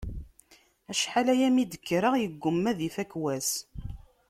Acḥal-aya mi d-kkreɣ, yegguma ad ifakk wassa.